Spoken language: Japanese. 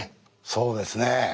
そうですね。